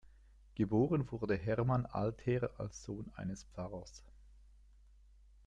Geboren wurde Hermann Altherr als Sohn eines Pfarrers.